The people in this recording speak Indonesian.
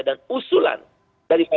dan usulan dari